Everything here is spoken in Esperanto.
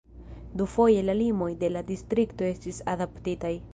Dufoje la limoj de la distrikto estis adaptitaj.